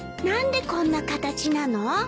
何でこんな形なの？